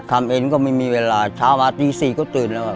ทำเองก็ไม่มีเวลาเช้ามาตี๔ก็ตื่นแล้วครับ